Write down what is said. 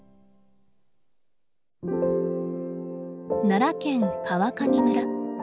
奈良県川上村。